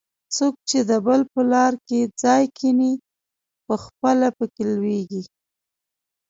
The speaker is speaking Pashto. څوک چې د بل په لار کې څا کیني؛ پخپله په کې لوېږي.